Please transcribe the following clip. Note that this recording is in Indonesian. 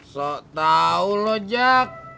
sok tau loh jak